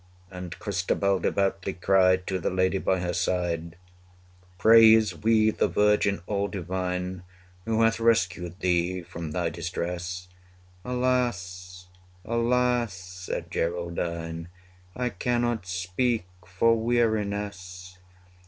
And Christabel devoutly cried To the lady by her side, Praise we the Virgin all divine Who hath rescued thee from thy distress! 140 Alas, alas! said Geraldine, I cannot speak for weariness.